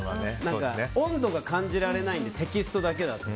温度が感じられないのでテキストだけだと。